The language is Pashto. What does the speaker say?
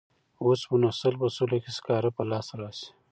اوس به نو سل په سلو کې سکاره په لاس راشي.